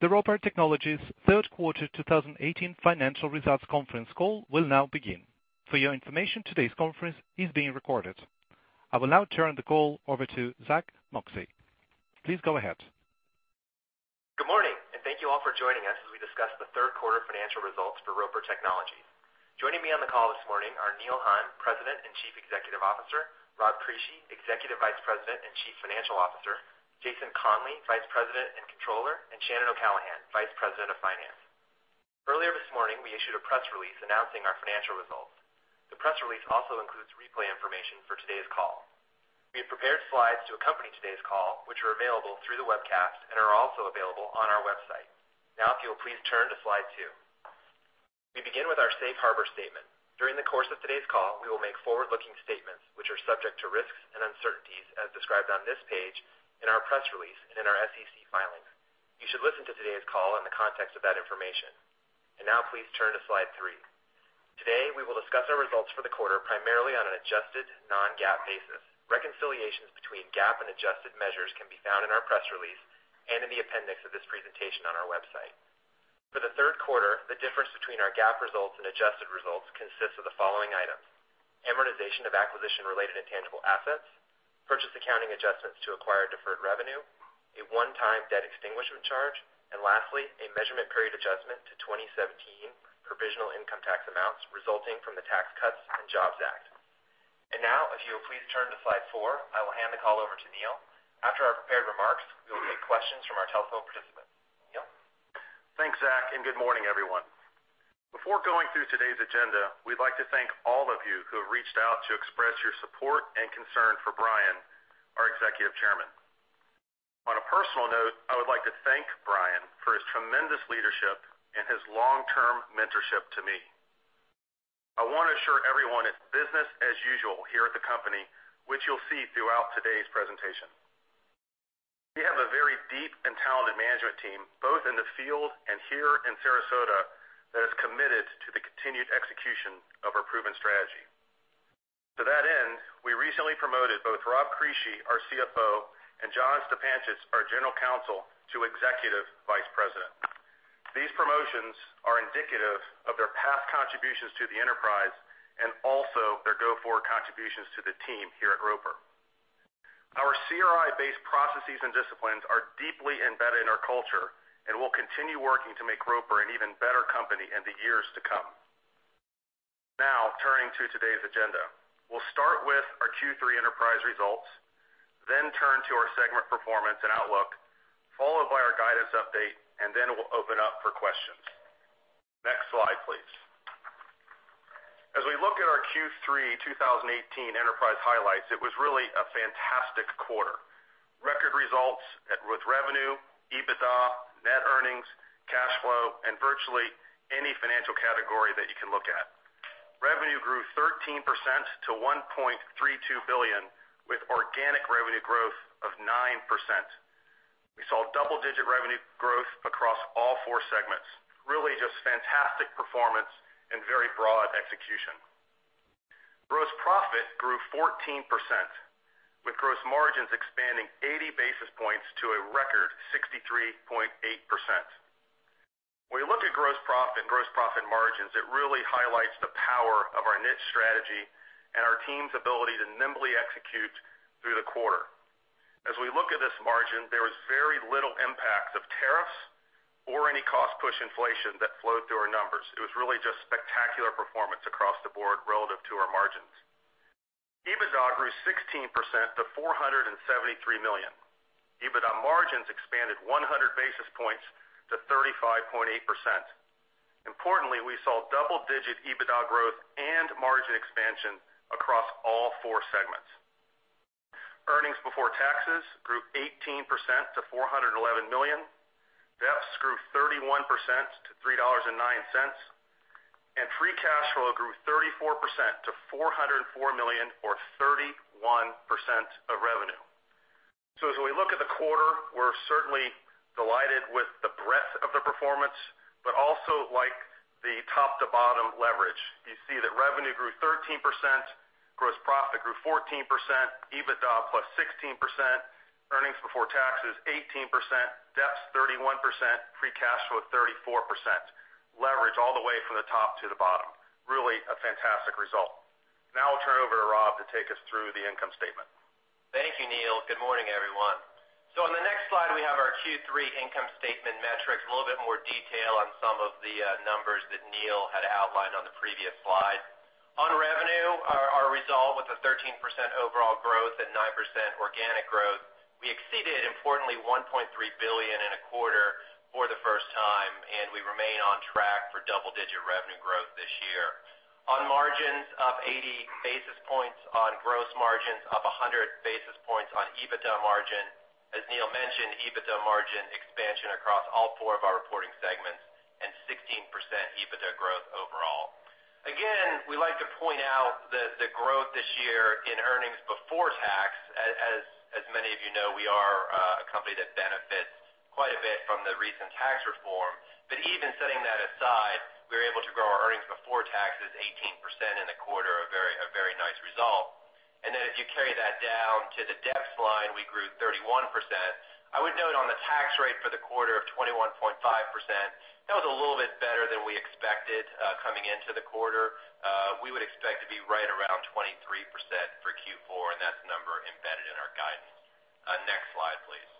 The Roper Technologies third quarter 2018 financial results conference call will now begin. For your information, today's conference is being recorded. I will now turn the call over to Zack Moxcey. Please go ahead. Good morning. Thank you all for joining us as we discuss the third quarter financial results for Roper Technologies. Joining me on the call this morning are Neil Hunn, President and Chief Executive Officer, Rob Crisci, Executive Vice President and Chief Financial Officer, Jason Conley, Vice President and Controller, and Shannon O'Callaghan, Vice President of Finance. Earlier this morning, we issued a press release announcing our financial results. The press release also includes replay information for today's call. We have prepared slides to accompany today's call, which are available through the webcast and are also available on our website. If you'll please turn to slide two. We begin with our safe harbor statement. During the course of today's call, we will make forward-looking statements, which are subject to risks and uncertainties as described on this page, in our press release and in our SEC filings. You should listen to today's call in the context of that information. Now please turn to slide three. Today, we will discuss our results for the quarter, primarily on an adjusted non-GAAP basis. Reconciliations between GAAP and adjusted measures can be found in our press release and in the appendix of this presentation on our website. For the third quarter, the difference between our GAAP results and adjusted results consists of the following items: amortization of acquisition-related intangible assets, purchase accounting adjustments to acquire deferred revenue, a one-time debt extinguishment charge, and lastly, a measurement period adjustment to 2017 provisional income tax amounts resulting from the Tax Cuts and Jobs Act. Now, if you would please turn to slide four. I will hand the call over to Neil. After our prepared remarks, we will take questions from our telephone participants. Neil? Thanks, Zack. Good morning, everyone. Before going through today's agenda, we'd like to thank all of you who have reached out to express your support and concern for Brian, our Executive Chairman. On a personal note, I would like to thank Brian for his tremendous leadership and his long-term mentorship to me. I want to assure everyone it's business as usual here at the company, which you'll see throughout today's presentation. We have a very deep and talented management team, both in the field and here in Sarasota, that is committed to the continued execution of our proven strategy. To that end, we recently promoted both Rob Crisci, our CFO, and John Stipancich, our General Counsel, to Executive Vice President. These promotions are indicative of their past contributions to the enterprise and also their go-forward contributions to the team here at Roper. Our CRI-based processes and disciplines are deeply embedded in our culture and will continue working to make Roper an even better company in the years to come. Turning to today's agenda. We'll start with our Q3 enterprise results, then turn to our segment performance and outlook, followed by our guidance update, and then we'll open up for questions. Next slide, please. As we look at our Q3 2018 enterprise highlights, it was really a fantastic quarter. Record results with revenue, EBITDA, net earnings, cash flow, and virtually any financial category that you can look at. Revenue grew 13% to $1.32 billion, with organic revenue growth of 9%. We saw double-digit revenue growth across all four segments. Really just fantastic performance and very broad execution. Gross profit grew 14%, with gross margins expanding 80 basis points to a record 63.8%. When you look at gross profit and gross profit margins, it really highlights the power of our niche strategy and our team's ability to nimbly execute through the quarter. As we look at this margin, there was very little impact of tariffs or any cost push inflation that flowed through our numbers. It was really just spectacular performance across the board relative to our margins. EBITDA grew 16% to $473 million. EBITDA margins expanded 100 basis points to 35.8%. Importantly, we saw double-digit EBITDA growth and margin expansion across all four segments. Earnings before taxes grew 18% to $411 million. DEPS grew 31% to $3.09. Free cash flow grew 34% to $404 million, or 31% of revenue. As we look at the quarter, we're certainly delighted with the breadth of the performance, but also like the top to bottom leverage. You see that revenue grew 13%, gross profit grew 14%, EBITDA plus 16%, earnings before taxes 18%, DEPS 31%, free cash flow 34%. Leverage all the way from the top to the bottom. Really a fantastic result. I'll turn it over to Rob to take us through the income statement. Thank you, Neil. Good morning, everyone. On the next slide, we have our Q3 income statement metrics. A little bit more detail on some of the numbers that Neil had outlined on the previous slide. On revenue, our result with a 13% overall growth and 9% organic growth. We exceeded, importantly, $1.3 billion in a quarter for the first time, and we remain on track for double-digit revenue growth this year. On margins, up 80 basis points on gross margins, up 100 basis points on EBITDA margin. As Neil mentioned, EBITDA margin expansion across all four of our reporting segments and 16% EBITDA growth overall. Again, we like to point out that the growth this year in earnings before tax, as many of you know, we are a company that benefits quite a bit from the recent tax reform. Even setting that aside, we were able to grow our earnings before taxes 18% in the quarter, a very nice result. If you carry that down to the debt slide, we grew 31%. I would note on the tax rate for the quarter of 21.5%, that was a little bit better than we expected coming into the quarter. We would expect to be right around 23% for Q4, and that's the number embedded in our guidance. Next slide, please.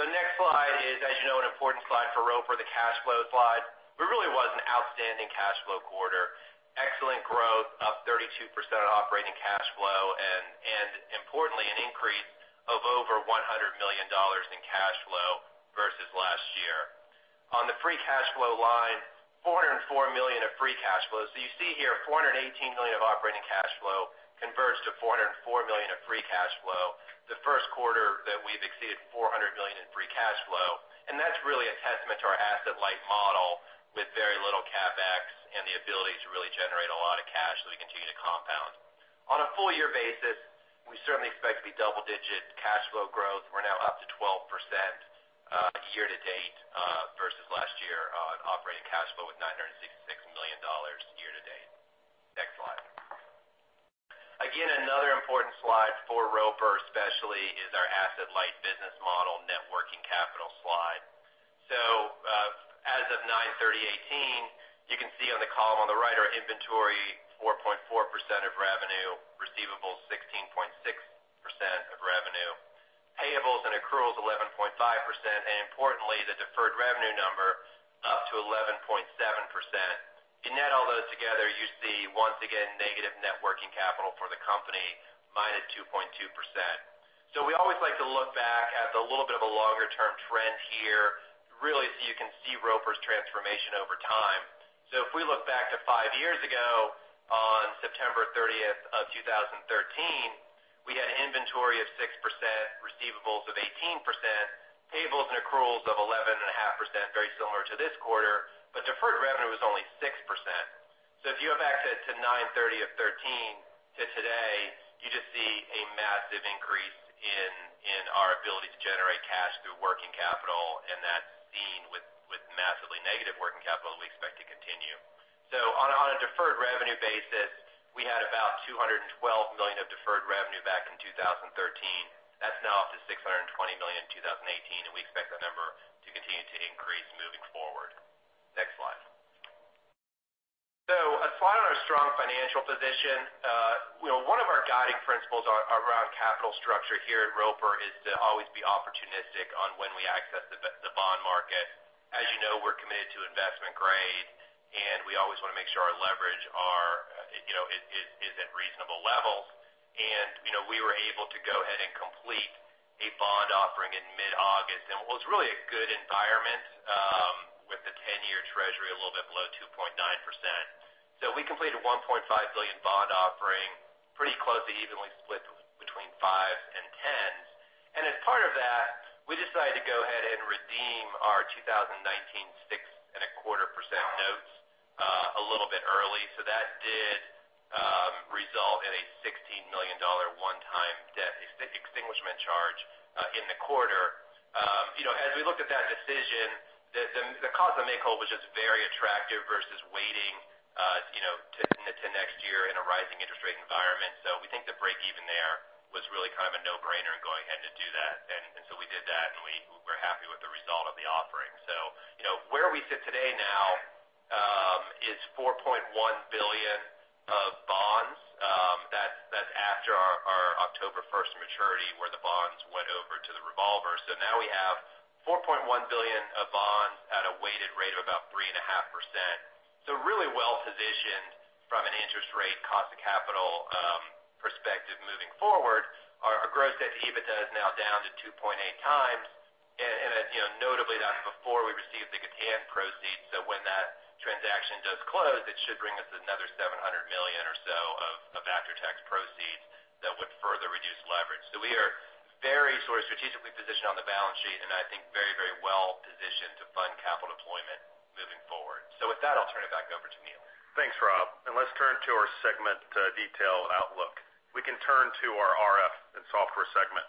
The next slide is, as you know, an important slide for Roper, the cash flow slide. It really was an outstanding cash flow quarter. Excellent growth, up 32% operating cash flow, and importantly, an increase of over $100 million in cash flow versus last year. On the free cash flow line, $404 million of free cash flow. You see here, $418 million of operating cash flow converts to $404 million of free cash flow. The first quarter that we've exceeded $400 million in free cash flow, and that's really a testament to our asset-light model with very little CapEx and the ability to really generate a lot of cash, we continue to compound. On a full year basis, we certainly expect to be double-digit cash flow growth. We're now up to 12% year-to-date versus last year on operating cash flow with $966 million year-to-date. Next slide. Another important slide for Roper especially, is our asset-light business model networking capital slide. As of 9/30/18, you can see on the column on the right our inventory 4.4% of revenue, receivables 16.6% of revenue. Payables and accruals 11.5%, and importantly, the deferred revenue number up to 11.7%. You net all those together, you see, once again, negative net working capital for the company, minus 2.2%. We always like to look back at the little bit of a longer-term trend here, really, you can see Roper's transformation over time. If we look back to five years ago on September 30th of 2013, we had an inventory of 6%, receivables of 18%, payables and accruals of 11.5%, very similar to this quarter, deferred revenue was only 6%. If you go back to 9/30 of '13 to today, you just see a massive increase in our ability to generate cash through working capital and that scene with massively negative working capital, we expect to continue. On a deferred revenue basis, we had about $212 million of deferred revenue back in 2013. That's now up to $620 million in 2018, and we expect that number to continue to increase moving forward. Next slide. A slide on our strong financial position. One of our guiding principles around capital structure here at Roper is to always be opportunistic on when we access the bond market. As you know, we're committed to investment grade, and we always want to make sure our leverage is at reasonable levels. We were able to go ahead and complete a bond offering in mid-August. It was really a good environment with the 10-year Treasury a little bit below 2.9%. We completed a $1.5 billion bond offering pretty closely evenly split between 5s and 10s. As part of that, we decided to go ahead and redeem our 2019 6.25% notes a little bit early. That did result in a $16 million one-time debt extinguishment charge in the quarter. As we looked at that decision, the cost of make whole was just very attractive versus waiting to next year in a rising interest rate environment. We think the break-even there was really kind of a no-brainer in going ahead to do that. We did that, and we're happy with the result of the offering. Where we sit today now is $4.1 billion of bonds. That's after our October 1st maturity where the bonds went over to the revolver. Now we have $4.1 billion of bonds at a weighted rate of about 3.5%. Really well-positioned from an interest rate cost of capital perspective moving forward. Our gross debt to EBITDA is now down to 2.8 times. Notably, that's before we received the Gatan proceeds. When that transaction does close, it should bring us another $700 million or so of after-tax proceeds that would further reduce leverage. We are very strategically positioned on the balance sheet, and I think very well positioned to fund capital deployment moving forward. With that, I'll turn it back over to Neil. Thanks, Rob. Let's turn to our segment detail outlook. We can turn to our RF and software segment.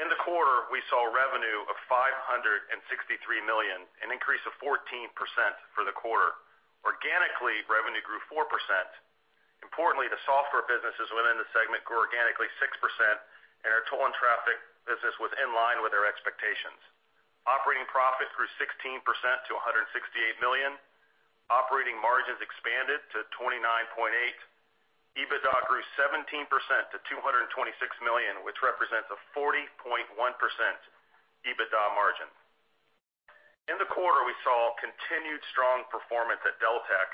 In the quarter, we saw revenue of $563 million, an increase of 14% for the quarter. Organically, revenue grew 4%. Importantly, the software businesses within the segment grew organically 6%, and our tolling traffic business was in line with our expectations. Operating profit grew 16% to $168 million. Operating margins expanded to 29.8%. EBITDA grew 17% to $226 million, which represents a 40.1% EBITDA margin. In the quarter, we saw continued strong performance at Deltek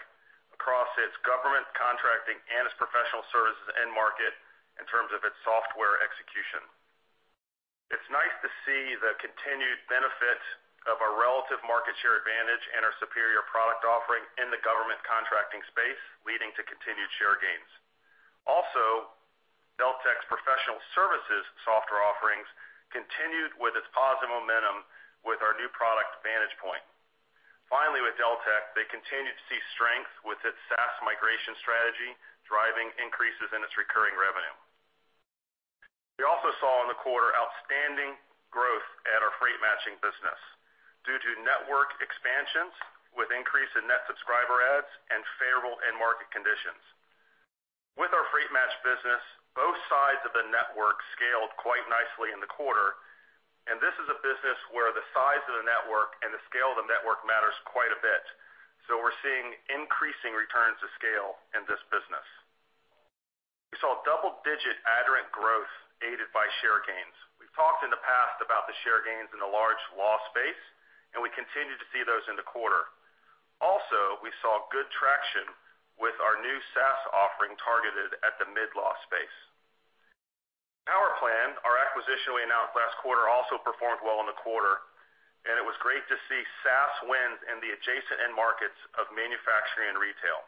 across its government contracting and its professional services end market in terms of its software execution. It's nice to see the continued benefit of our relative market share advantage and our superior product offering in the government contracting space, leading to continued share gains. Deltek's professional services software offerings continued with its positive momentum with our new product, Vantagepoint. Finally, with Deltek, they continued to see strength with its SaaS migration strategy, driving increases in its recurring revenue. We also saw in the quarter outstanding growth at our freight matching business due to network expansions with increase in net subscriber adds and favorable end market conditions. With our freight match business, both sides of the network scaled quite nicely in the quarter, and this is a business where the size of the network and the scale of the network matters quite a bit. We're seeing increasing returns to scale in this business. We saw double-digit Aderant growth aided by share gains. We've talked in the past about the share gains in the large law space, and we continue to see those in the quarter. We saw good traction with our new SaaS offering targeted at the mid-law space. PowerPlan, our acquisition we announced last quarter, also performed well in the quarter, and it was great to see SaaS wins in the adjacent end markets of manufacturing and retail.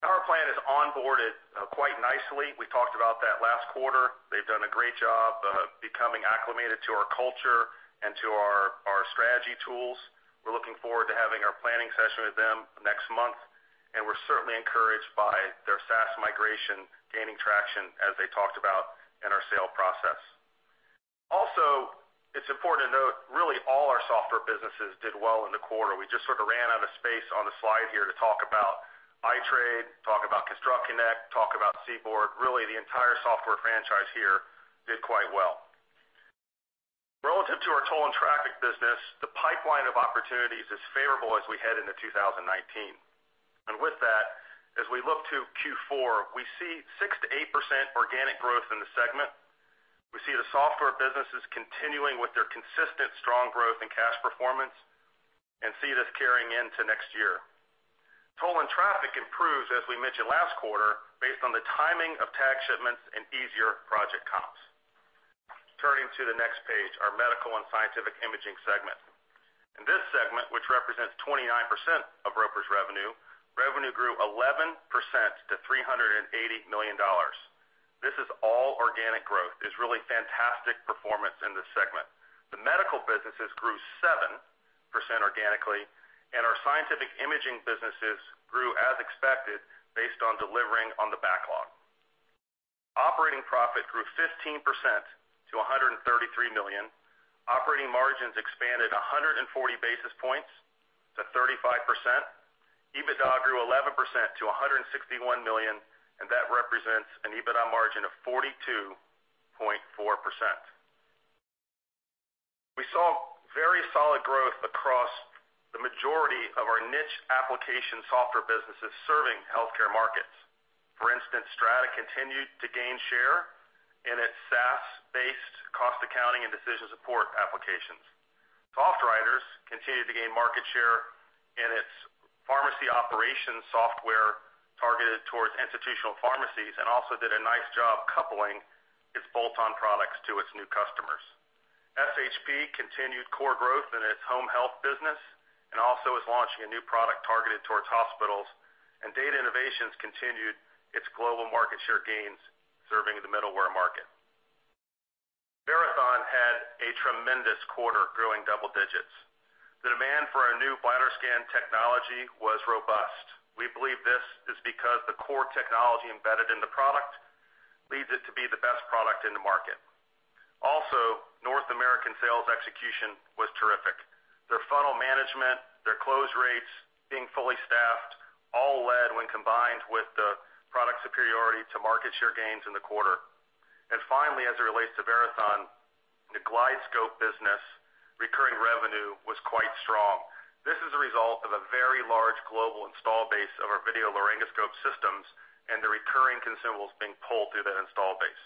PowerPlan has onboarded quite nicely. We talked about that last quarter. They've done a great job of becoming acclimated to our culture and to our strategy tools. We're looking forward to having our planning session with them next month, and we're certainly encouraged by their SaaS migration gaining traction as they talked about in our sale process. It's important to note, really all our software businesses did well in the quarter. We just sort of ran out of space on the slide here to talk about iTrade, talk about ConstructConnect, talk about Seaboard. Really, the entire software franchise here did quite well. Relative to our toll and traffic business, the pipeline of opportunities is favorable as we head into 2019. With that, as we look to Q4, we see 6%-8% organic growth in the segment. We see the software businesses continuing with their consistent strong growth and cash performance and see this carrying into next year. Toll and traffic improves, as we mentioned last quarter, based on the timing of tag shipments and easier project comps. Turning to the next page, our medical and scientific imaging segment. In this segment, which represents 29% of Roper's revenue grew 11% to $380 million. This is all organic growth. It's really fantastic performance in this segment. The medical businesses grew 7% organically, and our scientific imaging businesses grew as expected based on delivering on the backlog. Operating profit grew 15% to $133 million. Operating margins expanded 140 basis points to 35%. EBITDA grew 11% to $161 million, that represents an EBITDA margin of 42.4%. We saw very solid growth across the majority of our niche application software businesses serving healthcare markets. For instance, Strata continued to gain share in its SaaS-based cost accounting and decision support applications. SoftWriters continued to gain market share in its pharmacy operations software targeted towards institutional pharmacies and also did a nice job coupling its bolt-on products to its new customers. SHP continued core growth in its home health business and also is launching a new product targeted towards hospitals. Data Innovations continued its global market share gains serving the middleware market. Verathon had a tremendous quarter growing double-digits. The demand for our new VitalScan technology was robust. We believe this is because the core technology embedded in the product leads it to be the best product in the market. North American sales execution was terrific. Their funnel management, their close rates, being fully staffed, all led when combined with the product superiority to market share gains in the quarter. Finally, as it relates to Verathon, the GlideScope business recurring revenue was quite strong. This is a result of a very large global install base of our video laryngoscope systems and the recurring consumables being pulled through that install base.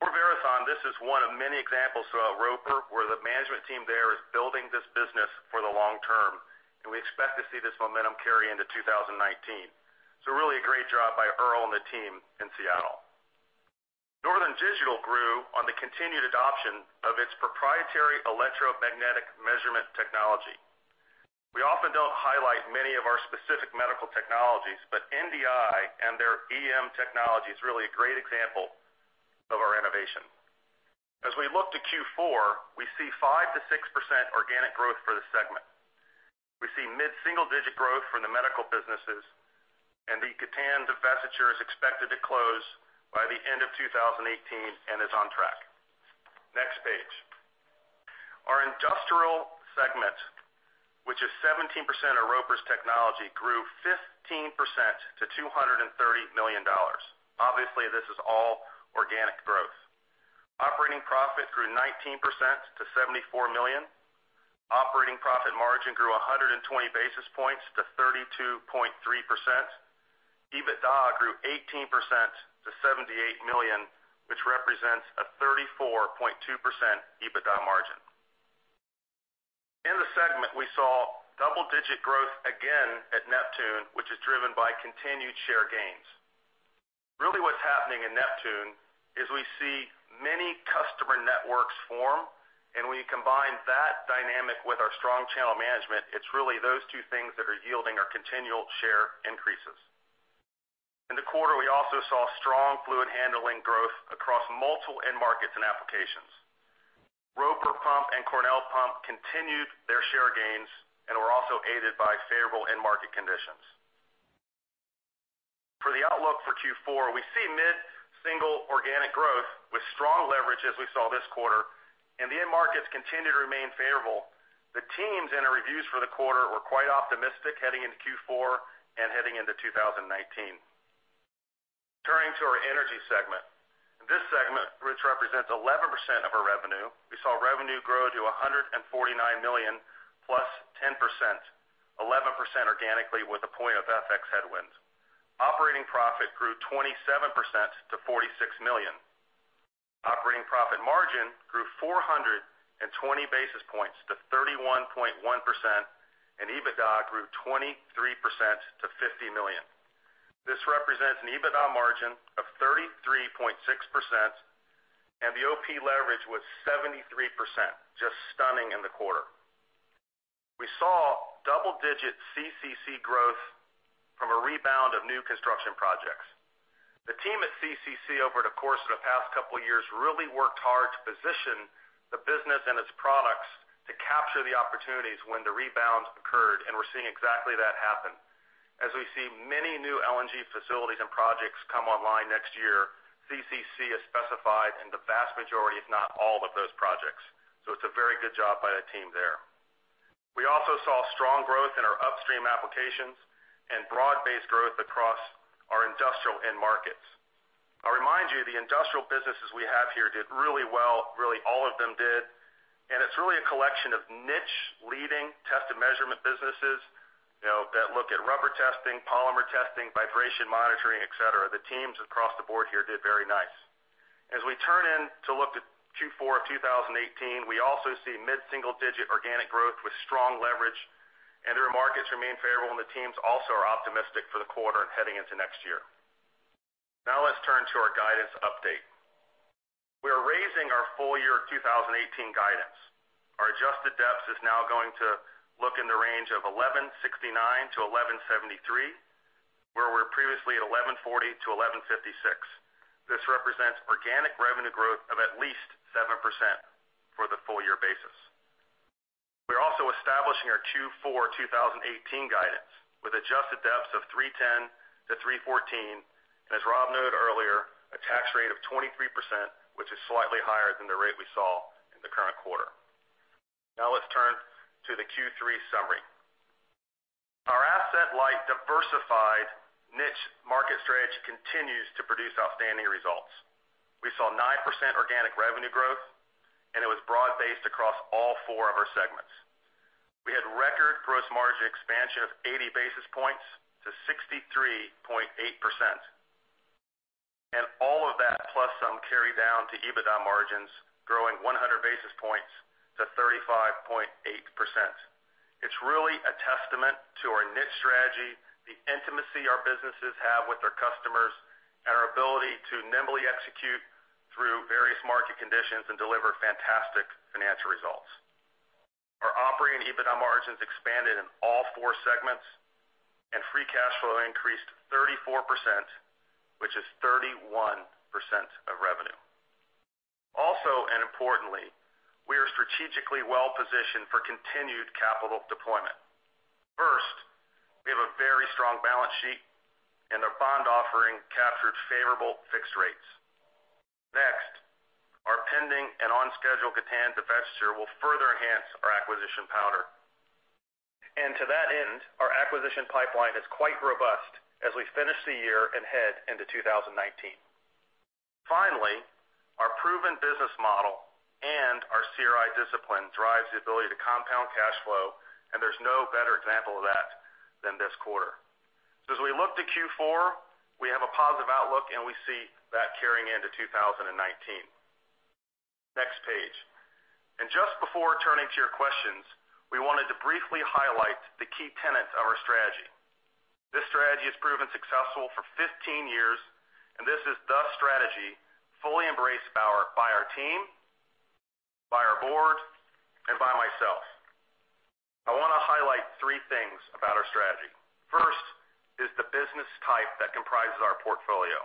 For Verathon, this is one of many examples throughout Roper where the management team there is building this business for the long term, and we expect to see this momentum carry into 2019. Really a great job by Earl and the team in Seattle. Northern Digital grew on the continued adoption of its proprietary electromagnetic measurement technology. We often don't highlight many of our specific medical technologies, NDI and their EM technology is really a great example of our innovation. As we look to Q4, we see 5%-6% organic growth for the segment. We see mid-single-digit growth from the medical businesses, the Gatan divestiture is expected to close by the end of 2018 and is on track. Next page. Our industrial segment, which is 17% of Roper's technology, grew 15% to $230 million. Obviously, this is all organic growth. Operating profit grew 19% to $74 million. Operating profit margin grew 120 basis points to 32.3%. EBITDA grew 18% to $78 million, which represents a 34.2% EBITDA margin. In the segment, we saw double-digit growth again at Neptune, which is driven by continued share gains. Really what's happening in Neptune is we see many customer networks form, when you combine that dynamic with our strong channel management, it's really those two things that are yielding our continual share increases. In the quarter, we also saw strong fluid handling growth across multiple end markets and applications. Roper Pump and Cornell Pump continued their share gains and were also aided by favorable end market conditions. For the outlook for Q4, we see mid-single organic growth with strong leverage as we saw this quarter, the end markets continue to remain favorable. The teams in our reviews for the quarter were quite optimistic heading into Q4 and heading into 2019. Turning to our energy segment. In this segment, which represents 11% of our revenue, we saw revenue grow to $149 million, +10%, 11% organically with a point of FX headwinds. Operating profit grew 27% to $46 million. Operating profit margin grew 420 basis points to 31.1%. EBITDA grew 23% to $50 million. This represents an EBITDA margin of 33.6%, the OP leverage was 73%, just stunning in the quarter. We saw double-digit CCC growth from a rebound of new construction projects. The team at CCC over the course of the past couple of years really worked hard to position the business and its products to capture the opportunities when the rebounds occurred, and we're seeing exactly that happen. As we see many new LNG facilities and projects come online next year, CCC is specified in the vast majority, if not all, of those projects. It's a very good job by the team there. We also saw strong growth in our upstream applications and broad-based growth across our industrial end markets. I'll remind you, the industrial businesses we have here did really well, really all of them did, and it's really a collection of niche-leading test and measurement businesses that look at rubber testing, polymer testing, vibration monitoring, et cetera. The teams across the board here did very nice. As we turn in to look to Q4 of 2018, we also see mid-single-digit organic growth with strong leverage, and their markets remain favorable, and the teams also are optimistic for the quarter and heading into next year. Let's turn to our guidance update. We are raising our full year 2018 guidance. Our adjusted DEPS is now going to look in the range of $11.69-$11.73, where we were previously at $11.40-$11.56. This represents organic revenue growth of at least 7% for the full year basis. We're also establishing our Q4 2018 guidance with adjusted DEPS of $3.10-$3.14, and as Rob noted earlier, a tax rate of 23%, which is slightly higher than the rate we saw in the current quarter. Let's turn to the Q3 summary. Our asset-light, diversified niche market strategy continues to produce outstanding results. We saw 9% organic revenue growth, and it was broad-based across all four of our segments. We had record gross margin expansion of 80 basis points to 63.8%. All of that plus some carry down to EBITDA margins, growing 100 basis points to 35.8%. It's really a testament to our niche strategy, the intimacy our businesses have with their customers, and our ability to nimbly execute through various market conditions and deliver fantastic financial results. Our operating EBITDA margins expanded in all four segments, and free cash flow increased 34%, which is 31% of revenue. Also, and importantly, we are strategically well-positioned for continued capital deployment. First, we have a very strong balance sheet, and our bond offering captured favorable fixed rates. Next, our pending and on-schedule Gatan divestiture will further enhance our acquisition powder. To that end, our acquisition pipeline is quite robust as we finish the year and head into 2019. Finally, our proven business model and our CRI discipline drives the ability to compound cash flow, and there's no better example of that than this quarter. As we look to Q4, we have a positive outlook, and we see that carrying into 2019. Next page. Just before turning to your questions, we wanted to briefly highlight the key tenets of our strategy. This strategy has proven successful for 15 years, and this is the strategy fully embraced by our team, by our board, and by myself. I want to highlight three things about our strategy. First is the business type that comprises our portfolio.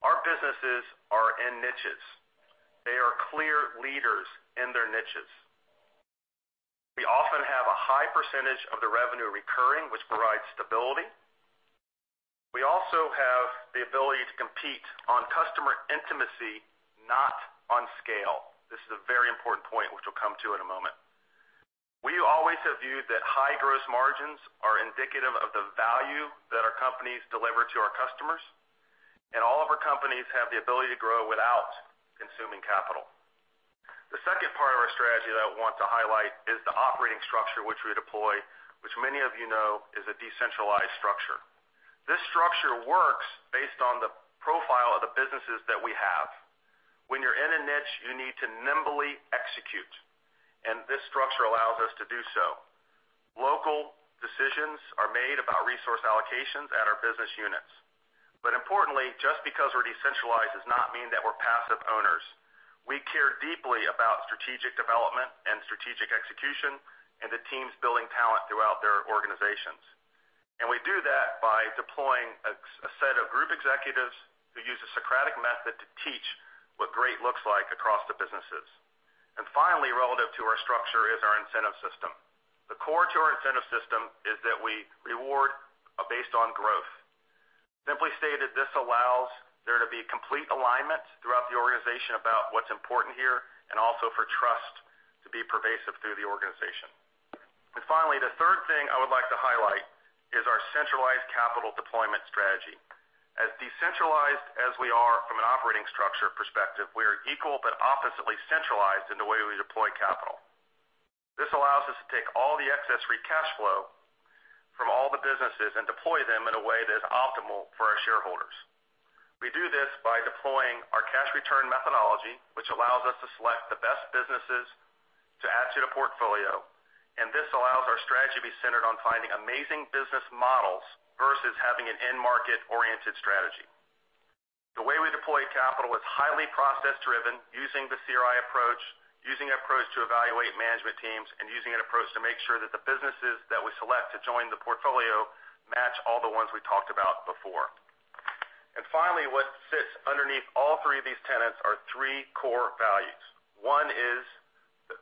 Our businesses are in niches. They are clear leaders in their niches. We often have a high percentage of the revenue recurring, which provides stability. We also have the ability to compete on customer intimacy, not on scale. This is a very important point, which we'll come to in a moment. We always have viewed that high gross margins are indicative of the value that our companies deliver to our customers, and all of our companies have the ability to grow without consuming capital. The second part of our strategy that I want to highlight is the operating structure which we deploy, which many of you know is a decentralized structure. This structure works based on the profile of the businesses that we have. When you're in a niche, you need to nimbly execute, and this structure allows us to do so. Local decisions are made about resource allocations at our business units. Importantly, just because we're decentralized does not mean that we're passive owners. We care deeply about strategic development and strategic execution and the teams building talent throughout their organizations. We do that by deploying a set of group executives who use a Socratic method to teach what great looks like across the businesses. Finally, relative to our structure is our incentive system. The core to our incentive system is that we reward based on growth. Simply stated, this allows there to be complete alignment throughout the organization about what's important here and also for trust to be pervasive through the organization. Finally, the third thing I would like to highlight is our centralized capital deployment strategy. As decentralized as we are from an operating structure perspective, we are equal but oppositely centralized in the way we deploy capital. This allows us to take all the excess free cash flow from all the businesses and deploy them in a way that is optimal for our shareholders. We do this by deploying our cash return methodology, which allows us to select the best businesses to add to the portfolio. This allows our strategy to be centered on finding amazing business models versus having an end market-oriented strategy. The way we deploy capital is highly process-driven, using the CRI approach, using an approach to evaluate management teams, and using an approach to make sure that the businesses that we select to join the portfolio match all the ones we talked about before. Finally, what sits underneath all three of these tenets are three core values. One is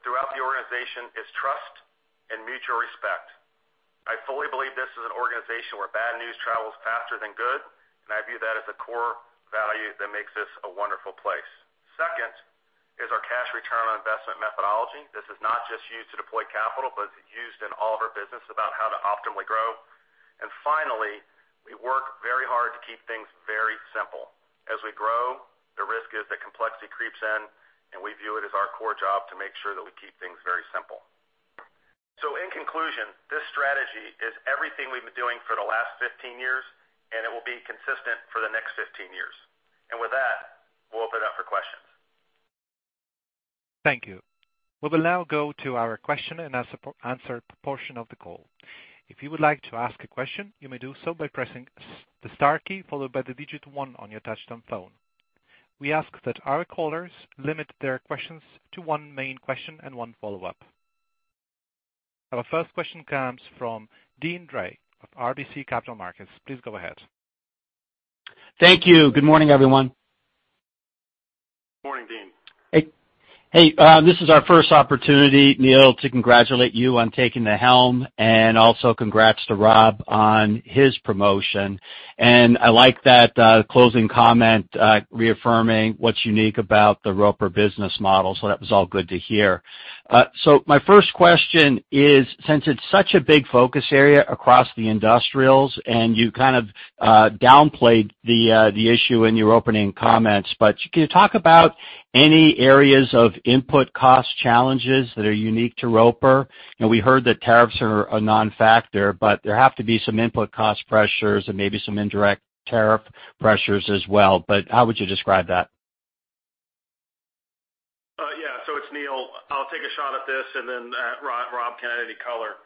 throughout the organization is trust and mutual respect. I fully believe this is an organization where bad news travels faster than good, and I view that as a core value that makes this a wonderful place. Second is our cash return on investment methodology. This is not just used to deploy capital, but it's used in all of our business about how to optimally grow. Finally, we work very hard to keep things very simple. As we grow, the risk is that complexity creeps in, and we view it as our core job to make sure that we keep things very simple. In conclusion, this strategy is everything we've been doing for the last 15 years, and it will be consistent for the next 15 years. With that, we'll open it up for questions. Thank you. We will now go to our question and answer portion of the call. If you would like to ask a question, you may do so by pressing the star key followed by the digit one on your touch-tone phone. We ask that our callers limit their questions to one main question and one follow-up. Our first question comes from Deane Dray of RBC Capital Markets. Please go ahead. Thank you. Good morning, everyone. Morning, Deane. Hey, this is our first opportunity, Neil, to congratulate you on taking the helm, and also congrats to Rob on his promotion. I like that closing comment reaffirming what's unique about the Roper business model. That was all good to hear. My first question is, since it's such a big focus area across the industrials and you kind of downplayed the issue in your opening comments, but can you talk about any areas of input cost challenges that are unique to Roper? We heard that tariffs are a non-factor, but there have to be some input cost pressures and maybe some indirect tariff pressures as well. How would you describe that? Yeah. It's Neil. I'll take a shot at this, and then Rob can add any color.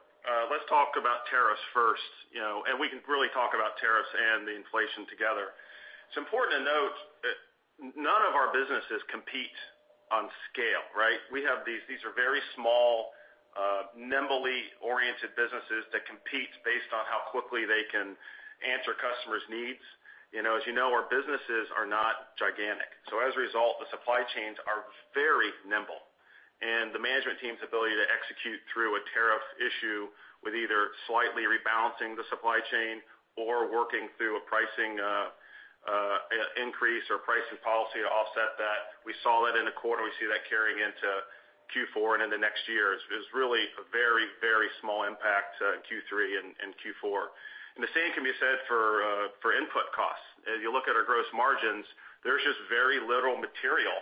Let's talk about tariffs first. We can really talk about tariffs and the inflation together. It's important to note that none of our businesses compete on scale, right? These are very small nimbly-oriented businesses that compete based on how quickly they can answer customers' needs. As you know, our businesses are not gigantic. As a result, the supply chains are very nimble, and the management team's ability to execute through a tariff issue with either slightly rebalancing the supply chain or working through a pricing increase or pricing policy to offset that, we saw that in the quarter, we see that carrying into Q4 and into next year is really a very small impact in Q3 and Q4. The same can be said for input costs. As you look at our gross margins, there's just very little material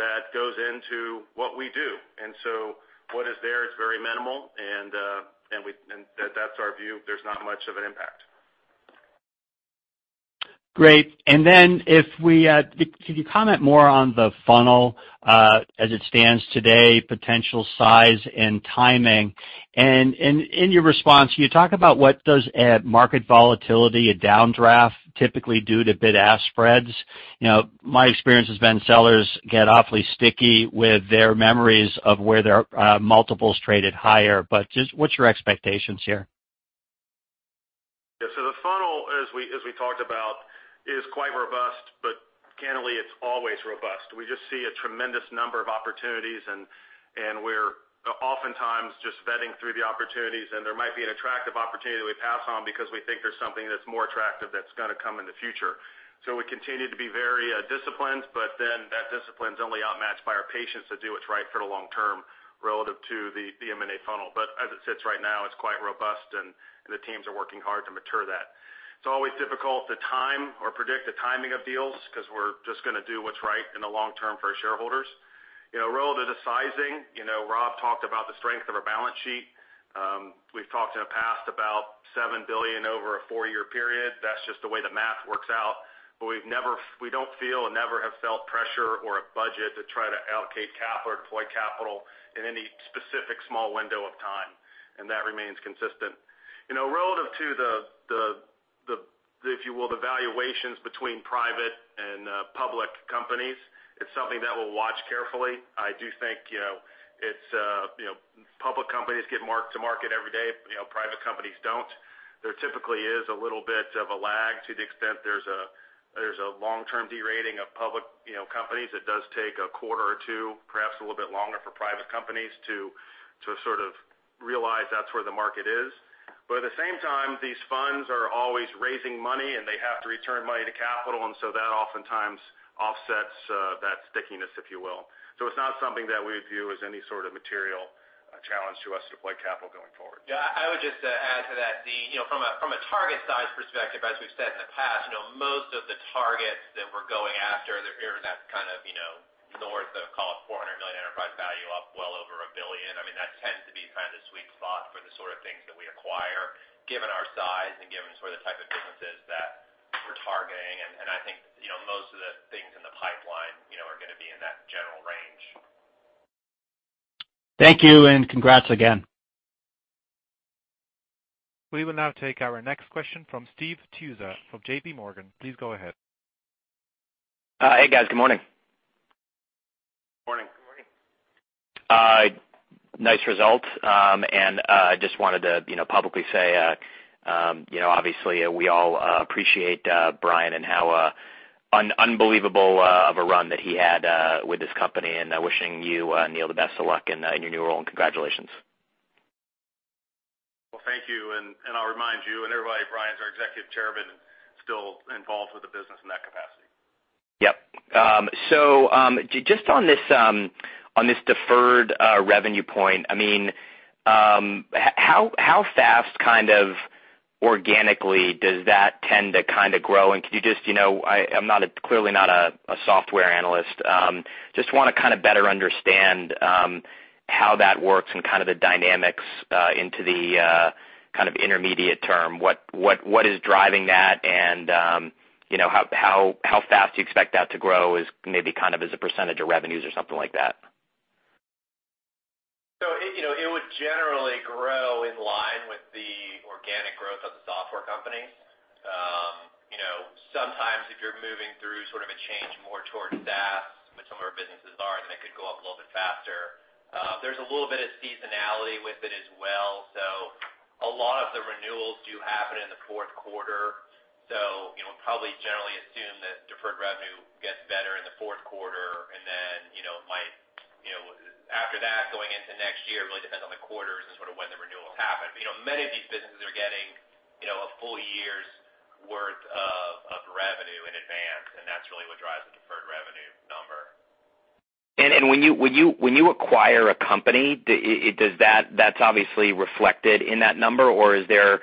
that goes into what we do. What is there is very minimal, and that's our view. There's not much of an impact. Great. Can you comment more on the funnel as it stands today, potential size and timing? In your response, can you talk about what does a market volatility, a downdraft typically do to bid-ask spreads? My experience has been sellers get awfully sticky with their memories of where their multiples traded higher. Just what's your expectations here? Yeah. The funnel, as we talked about, is quite robust, but candidly, it's always robust. We just see a tremendous number of opportunities, and we're oftentimes just vetting through the opportunities, and there might be an attractive opportunity that we pass on because we think there's something that's more attractive that's going to come in the future. We continue to be very disciplined, but then that discipline is only outmatched by our patience to do what's right for the long term relative to the M&A funnel. As it sits right now, it's quite robust, and the teams are working hard to mature that. It's always difficult to time or predict the timing of deals because we're just going to do what's right in the long term for our shareholders. Relative to sizing, Rob talked about the strength of our balance sheet. We've talked in the past about $7 billion over a four-year period. That's just the way the math works out. We don't feel and never have felt pressure or a budget to try to allocate capital or deploy capital in any specific small window of time, and that remains consistent. Relative to the, if you will, the valuations between private and public companies, it's something that we'll watch carefully. I do think public companies get mark-to-market every day, private companies don't. There typically is a little bit of a lag to the extent there's a long-term de-rating of public companies. It does take a quarter or two, perhaps a little bit longer for private companies to sort of realize that's where the market is. At the same time, these funds are always raising money, and they have to return money to capital, so that oftentimes offsets that stickiness, if you will. It's not something that we view as any sort of material challenge to us to deploy capital going forward. Yeah, I would just add to that, from a target size perspective, as we've said in the past, most of the targets that we're going after, they're in that kind of the words that call it $400 million enterprise value up well over a billion. That tends to be kind of the sweet spot for the sort of things that we acquire, given our size and given sort of the type of businesses that we're targeting. I think most of the things in the pipeline are going to be in that general range. Thank you, congrats again. We will now take our next question from Steve Tusa from JPMorgan. Please go ahead. Hey, guys. Good morning. Morning. Good morning. Nice results. I just wanted to publicly say, obviously, we all appreciate Brian and how unbelievable of a run that he had with this company, and wishing you, Neil, the best of luck in your new role, and congratulations. Well, thank you. I'll remind you and everybody, Brian is our Executive Chairman, still involved with the business in that capacity. Yep. Just on this deferred revenue point, how fast kind of organically does that tend to kind of grow? Could you just I'm clearly not a software analyst. Just want to kind of better understand how that works and kind of the dynamics into the kind of intermediate term. What is driving that and how fast do you expect that to grow as maybe kind of as a percentage of revenues or something like that? It would generally grow in line with the organic growth of the software companies. Sometimes if you're moving through sort of a change more towards SaaS, which some of our businesses are, then it could go up a little bit faster. There's a little bit of seasonality with it as well. A lot of the renewals do happen in the fourth quarter. Probably generally assume that deferred revenue gets better in the fourth quarter. After that, going into next year, it really depends on the quarters and sort of when the renewals happen. Many of these businesses are getting a full year's worth of revenue in advance, and that's really what drives the deferred revenue number. When you acquire a company, that's obviously reflected in that number, or is there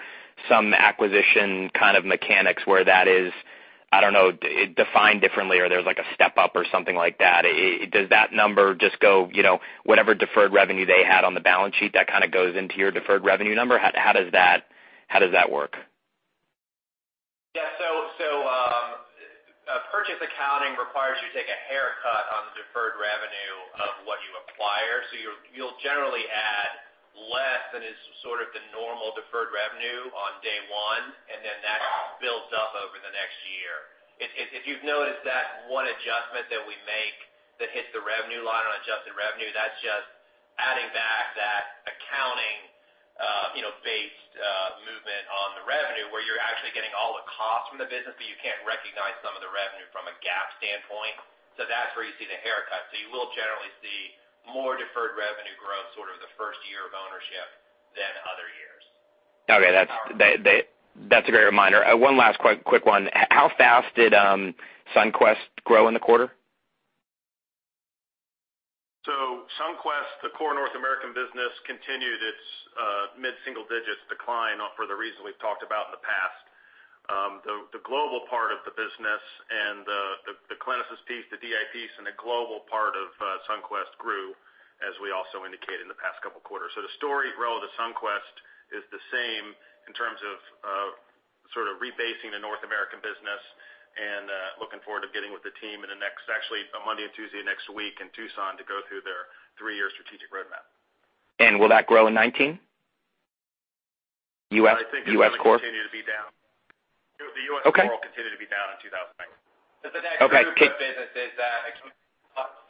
some acquisition kind of mechanics where that is, I don't know, defined differently or there's like a step-up or something like that? Does that number just go whatever deferred revenue they had on the balance sheet, that kind of goes into your deferred revenue number? How does that work? Yeah. Purchase accounting requires you to take a haircut on the deferred revenue of what you acquire. You'll generally add less than is sort of the normal deferred revenue on day one, and then that builds up over the next year. If you've noticed that one adjustment that we make that hits the revenue line on adjusted revenue, that's just adding back that accounting-based movement on the revenue where you're actually getting all the costs from the business, but you can't recognize some of the revenue from a GAAP standpoint. That's where you see the haircut. You will generally see more deferred revenue growth sort of the first year of ownership than other years. Okay. That's a great reminder. One last quick one. How fast did Sunquest grow in the quarter? Sunquest, the core North American business, continued its mid-single digits decline for the reason we've talked about in the past. The global part of the business and the Clinisys piece, the DI piece, and the global part of Sunquest grew, as we also indicated in the past couple of quarters. The story relative to Sunquest is the same in terms of sort of rebasing the North American business and looking forward to getting with the team in the next actually, Monday and Tuesday of next week in Tucson to go through their three-year strategic roadmap. Will that grow in 2019? U.S. core? I think it will continue to be down. The U.S. core- Okay will continue to be down in 2019. Okay. The next group of businesses.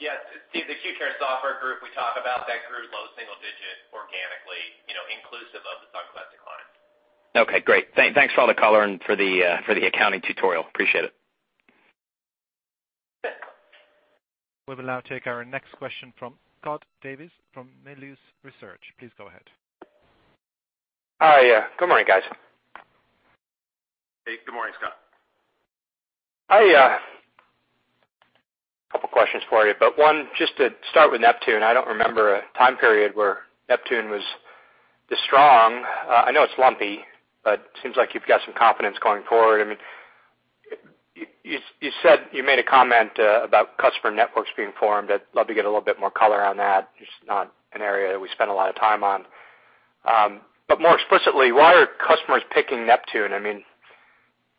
Yes, Steve, the acute care software group we talk about, that grew low single digit organically, inclusive of the Sunquest decline. Okay, great. Thanks for all the color and for the accounting tutorial. Appreciate it. Sure. We will now take our next question from Scott Davis from Melius Research. Please go ahead. Good morning, guys. Hey, good morning, Scott. A couple of questions for you, but one, just to start with Neptune. I don't remember a time period where Neptune was this strong. I know it's lumpy, but it seems like you've got some confidence going forward. You made a comment about customer networks being formed. I'd love to get a little bit more color on that. It's not an area that we spend a lot of time on. More explicitly, why are customers picking Neptune? My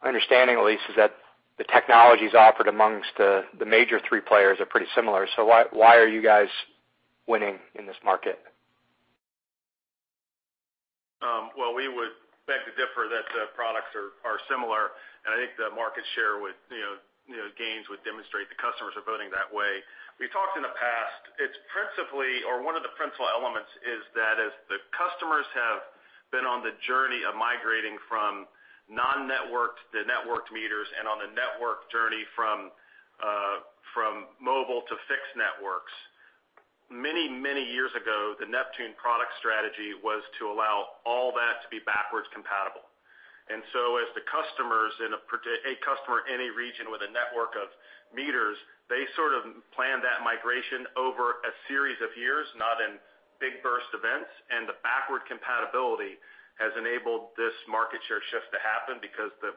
understanding at least is that the technologies offered amongst the major three players are pretty similar. Why are you guys winning in this market? Well, we would beg to differ that the products are similar, I think the market share gains would demonstrate the customers are voting that way. We've talked in the past, one of the principal elements is that as the customers have been on the journey of migrating from non-networked to networked meters and on the network journey from mobile to fixed networks. Many, many years ago, the Neptune product strategy was to allow all that to be backwards compatible. As a customer in a region with a network of meters, they sort of plan that migration over a series of years, not in big burst events. The backward compatibility has enabled this market share shift to happen because the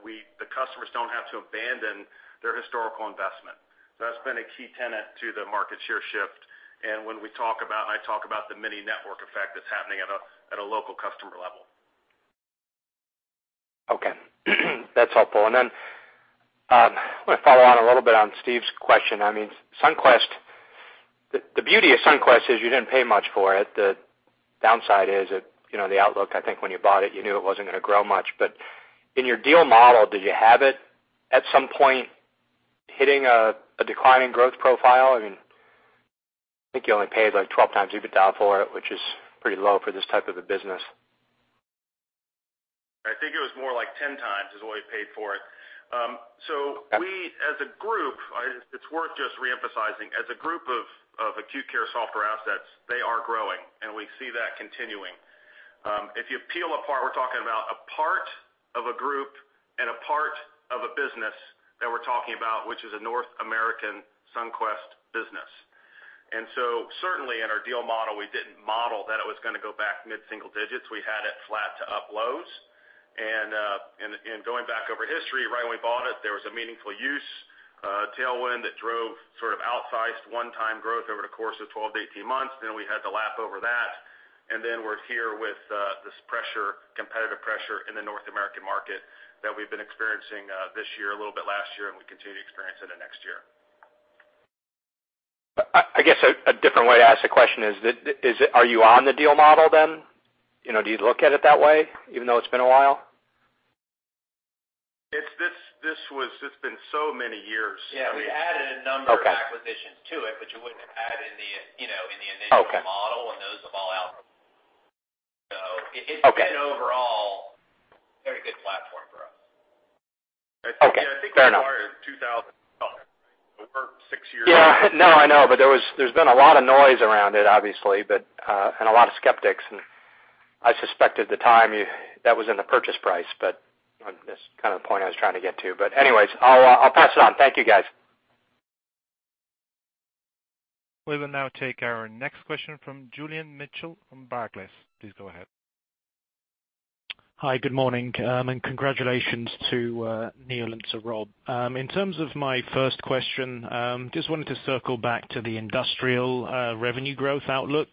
customers don't have to abandon their historical investment. That's been a key tenet to the market share shift. When I talk about the mini-network effect that's happening at a local customer level. Okay. That's helpful. I want to follow on a little bit on Steve's question. Sunquest, the beauty of Sunquest is you didn't pay much for it. The downside is that the outlook, I think when you bought it, you knew it wasn't going to grow much. But in your deal model, did you have it at some point hitting a declining growth profile? I think you only paid 12 times EBITDA for it, which is pretty low for this type of a business. I think it was more like 10 times is what we paid for it. We as a group, it's worth just re-emphasizing. As a group of acute care software assets, they are growing, and we see that continuing. If you peel apart, we're talking about a part of a group and a part of a business that we're talking about, which is a North American Sunquest business. Certainly in our deal model, we didn't model that it was going to go back mid-single digits. We had it flat to uploads. Going back over history, right when we bought it, there was a meaningful use tailwind that drove sort of outsized one-time growth over the course of 12 to 18 months. We had to lap over that, we're here with this competitive pressure in the North American market that we've been experiencing this year, a little bit last year, and we continue to experience into next year. I guess a different way to ask the question is, are you on the deal model then? Do you look at it that way, even though it's been a while? It's been so many years. We added a number of acquisitions to it, which you wouldn't have had in the initial model, those have all out. It's been overall a very good platform for us. Okay. Fair enough. I think we acquired it in 2012, over six years ago. Yeah. No, I know, but there's been a lot of noise around it, obviously, and a lot of skeptics, and I suspect at the time that was in the purchase price, but that's kind of the point I was trying to get to. Anyways, I'll pass it on. Thank you, guys. We will now take our next question from Julian Mitchell from Barclays. Please go ahead. Hi, good morning, and congratulations to Neil and to Rob. In terms of my first question, just wanted to circle back to the industrial revenue growth outlook.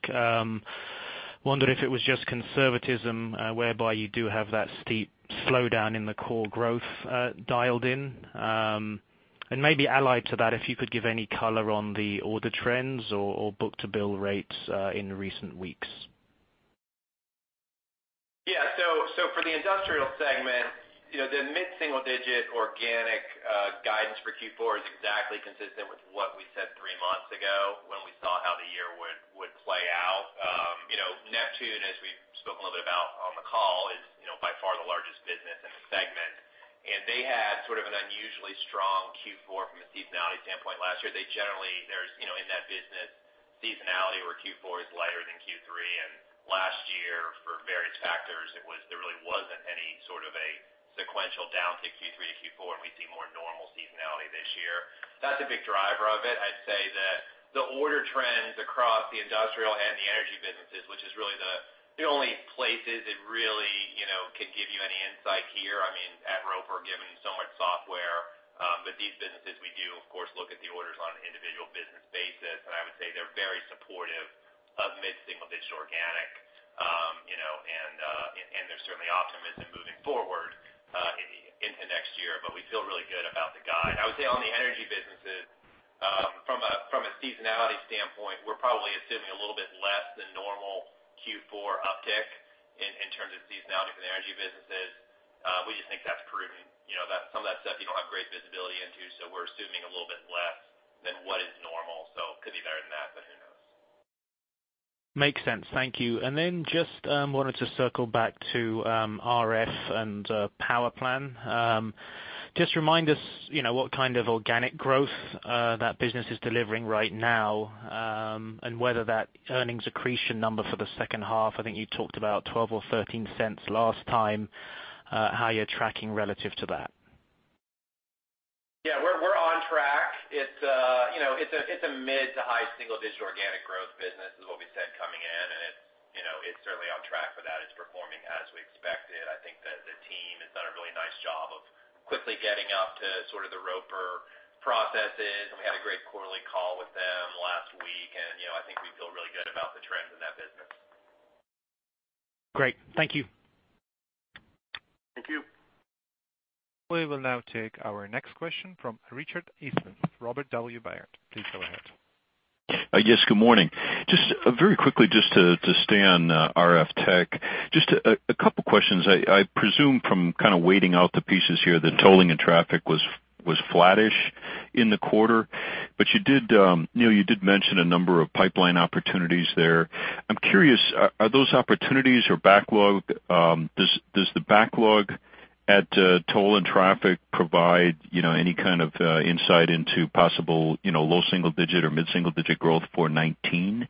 Wondered if it was just conservatism whereby you do have that steep slowdown in the core growth dialed in. Maybe allied to that, if you could give any color on the order trends or book-to-bill rates in recent weeks. Yeah. For the industrial segment, the mid-single digit organic guidance for Q4 is exactly consistent with what we said three months ago when we saw how the year would play out. Neptune, as we spoke a little bit about on the call, is by far the largest business in the segment, and they had sort of an unusually strong Q4 from a seasonality standpoint last year. In that business, seasonality where Q4 is lighter than Q3, and last year, for various factors, there really wasn't any sort of a sequential down to Q3 to Q4, and we see more normal seasonality this year. That's a big driver of it. I'd say that the order trends across the industrial and the energy businesses, which is really the only places it really can give you any insight here. At Roper Technologies, given so much software, these businesses, we do, of course, look at the orders on an individual business basis, and I would say they're very supportive of mid-single digit organic. There's certainly optimism moving forward into next year, but we feel really good about the guide. I would say on the energy businesses, from a seasonality standpoint, we're probably assuming a little bit less than normal Q4 uptick in terms of seasonality for the energy businesses. We just think that's prudent. Some of that stuff you don't have great visibility into, so we're assuming a little bit less than what is normal, so it could be better than that, but who knows. Makes sense. Thank you. Just wanted to circle back to RF and PowerPlan. Just remind us what kind of organic growth that business is delivering right now, and whether that earnings accretion number for the second half, I think you talked about $0.12 or $0.13 last time, how you're tracking relative to that. We're on track. It's a mid to high single digit organic growth business, is what we said coming in, and it's certainly on track for that. It's performing as we expected. I think that the team has done a really nice job of quickly getting up to sort of the Roper processes, and we had a great quarterly call with them last week, and I think we feel really good about the trends in that business. Great. Thank you. Thank you. We will now take our next question from Richard Eastman, Robert W. Baird. Please go ahead. Yes, good morning. Just very quickly just to stay on RF Tech. Just a couple questions. I presume from kind of waiting out the pieces here that tolling and traffic was flattish in the quarter, but Neil, you did mention a number of pipeline opportunities there. I'm curious, are those opportunities or does the backlog at toll and traffic provide any kind of insight into possible low single digit or mid-single digit growth for 2019?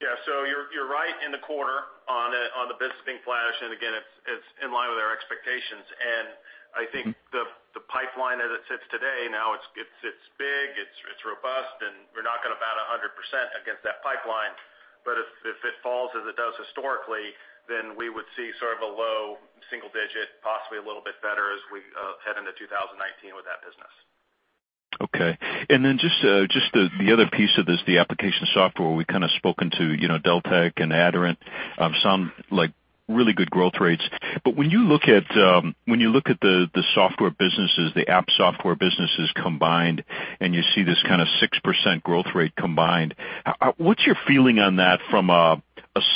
Yeah. You're right in the quarter on the business being flattish. Again, it's in line with our expectations. I think the pipeline as it sits today, now it sits big, it's robust, and we're not going to bat 100% against that pipeline. If it falls as it does historically, we would see sort of a low single digit, possibly a little bit better as we head into 2019 with that business. Okay. Just the other piece of this, the application software we kind of spoken to, Deltek and Aderant, some really good growth rates. When you look at the software businesses, the app software businesses combined, and you see this kind of 6% growth rate combined, what's your feeling on that from a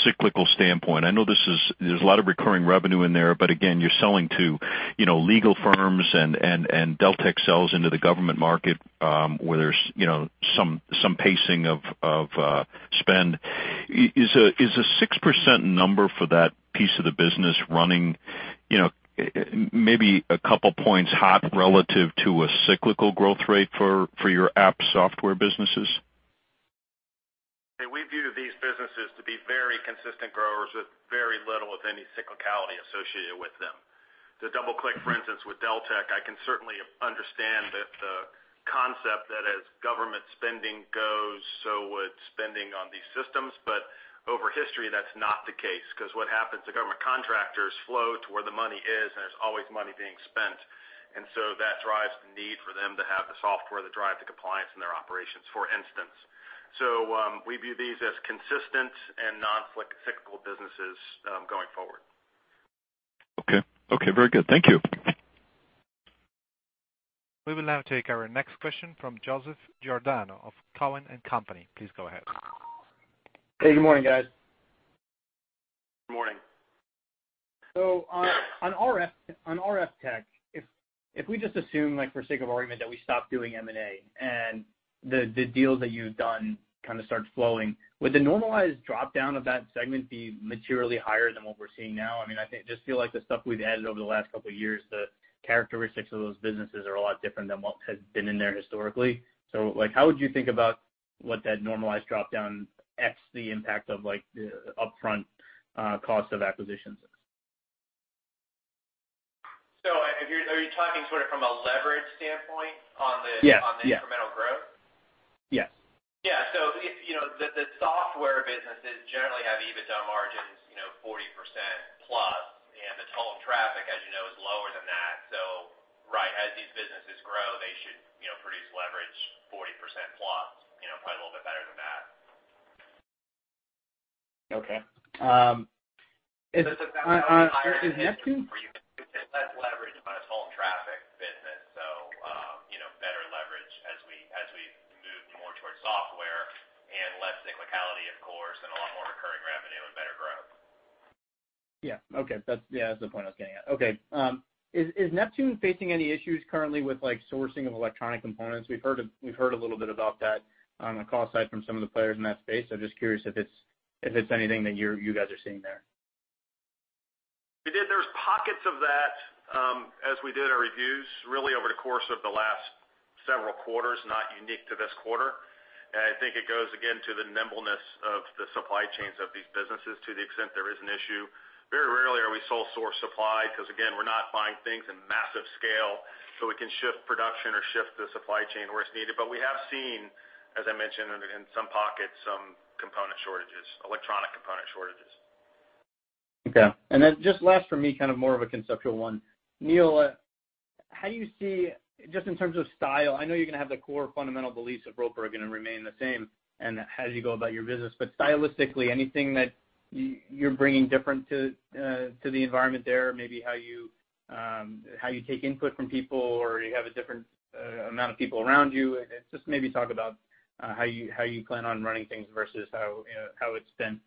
cyclical standpoint? I know there's a lot of recurring revenue in there, but again, you're selling to legal firms, and Deltek sells into the government market, where there's some pacing of spend. Is a 6% number for that piece of the business running maybe a couple points hot relative to a cyclical growth rate for your app software businesses? Hey, we view these businesses to be very consistent growers with very little, if any, cyclicality associated with them. To double-click, for instance, with Deltek, I can certainly understand that the concept that as government spending goes, so would spending on these systems. Over history, that's not the case, because what happens to government contractors flow to where the money is, and there's always money being spent. That drives the need for them to have the software that drive the compliance in their operations, for instance. We view these as consistent and non-cyclical businesses going forward. Okay. Very good. Thank you. We will now take our next question from Joseph Giordano of Cowen and Company. Please go ahead. Hey, good morning, guys. Good morning. On RF Tech, if we just assume, like for sake of argument, that we stop doing M&A and the deals that you've done kind of start flowing. Would the normalized drop-down of that segment be materially higher than what we're seeing now? I just feel like the stuff we've added over the last couple of years, the characteristics of those businesses are a lot different than what has been in there historically. How would you think about what that normalized drop-down X the impact of the upfront cost of acquisitions is? Are you talking sort of from a leverage standpoint on the- Yes on the incremental growth? Yes. Yeah. The software businesses generally have EBITDA margins 40% plus, and the toll and traffic, as you know, is lower than that. Right as these businesses grow, they should produce leverage 40% plus, probably a little bit better than that. Okay. Is Neptune- Less leverage on a toll and traffic business. Better leverage as we move more towards software and less cyclicality, of course, and a lot more recurring revenue and better growth. Yeah. Okay. That's the point I was getting at. Okay. Is Neptune facing any issues currently with sourcing of electronic components? We've heard a little bit about that on the call side from some of the players in that space. Just curious if it's anything that you guys are seeing there. There's pockets of that as we did our reviews, really over the course of the last several quarters, not unique to this quarter. I think it goes again to the nimbleness of the supply chains of these businesses to the extent there is an issue. Very rarely are we sole source supply because, again, we're not buying things in massive scale, so we can shift production or shift the supply chain where it's needed. We have seen, as I mentioned, in some pockets, some component shortages, electronic component shortages. Okay. Just last for me, kind of more of a conceptual one. Neil, how do you see, just in terms of style, I know you're going to have the core fundamental beliefs of Roper are going to remain the same and as you go about your business. Stylistically, anything that you're bringing different to the environment there, maybe how you take input from people, or you have a different amount of people around you? Just maybe talk about how you plan on running things versus how it's been.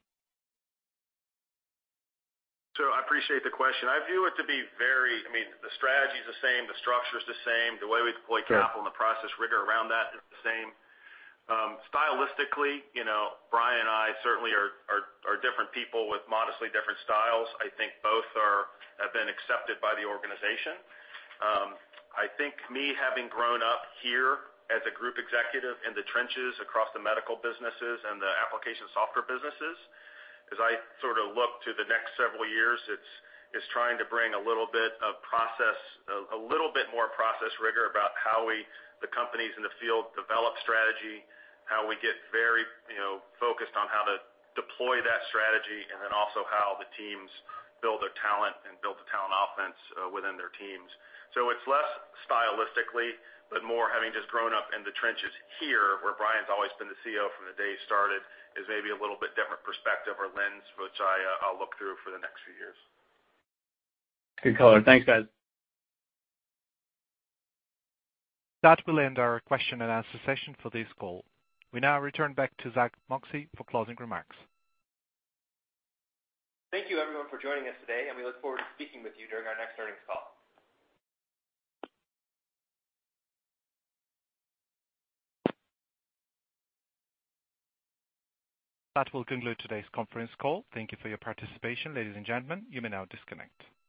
I appreciate the question. The strategy is the same, the structure's the same. The way we deploy capital- Sure The process rigor around that is the same. Stylistically, Brian and I certainly are different people with modestly different styles. I think both have been accepted by the organization. I think me having grown up here as a group executive in the trenches across the medical businesses and the application software businesses, as I sort of look to the next several years, it's trying to bring a little bit more process rigor about how we, the companies in the field, develop strategy, how we get very focused on how to deploy that strategy, and then also how the teams build their talent and build the talent offense within their teams. It's less stylistically, but more having just grown up in the trenches here, where Brian's always been the CEO from the day he started is maybe a little bit different perspective or lens, which I'll look through for the next few years. Good color. Thanks, guys. That will end our question and answer session for this call. We now return back to Zack Moxcey for closing remarks. Thank you everyone for joining us today. We look forward to speaking with you during our next earnings call. That will conclude today's conference call. Thank you for your participation, ladies and gentlemen. You may now disconnect.